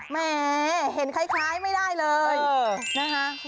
แม่เห็นคล้ายไม่ได้เลยนะฮะเออ